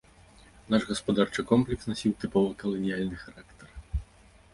Наш гаспадарчы комплекс насіў тыпова каланіяльны характар.